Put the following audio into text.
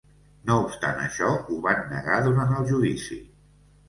No obstant això, ho van negar durant el judici.